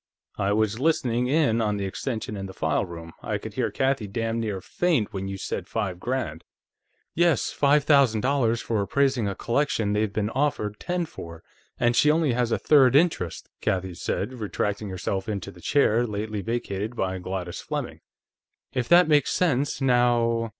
I was listening in on the extension in the file room; I could hear Kathie damn near faint when you said five grand." "Yes; five thousand dollars for appraising a collection they've been offered ten for, and she only has a third interest," Kathie said, retracting herself into the chair lately vacated by Gladys Fleming. "If that makes sense, now